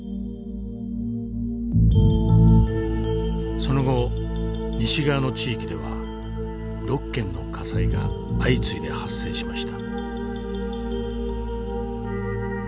その後西側の地域では６件の火災が相次いで発生しました。